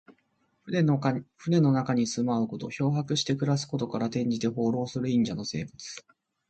船の中に住まうこと。漂泊して暮らすことから、転じて、放浪する隠者の生活。